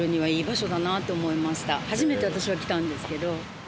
初めて私は来たんですけど。